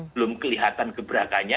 belum kelihatan gebrakanya